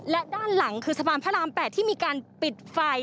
และด้านหลังคือสะพานพระราม๘ที่มีการปิดไฟ